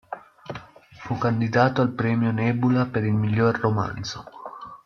Fu candidato al Premio Nebula per il miglior romanzo.